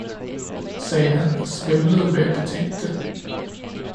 sagde han og svimlede ved at betænke det.